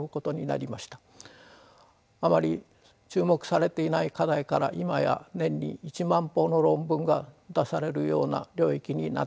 あまり注目されていない課題から今や年に１万報の論文が出されるような領域になってきました。